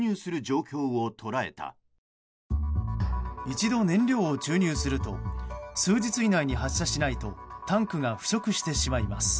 一度、燃料を注入すると数日以内に発射しないとタンクが腐食してしまいます。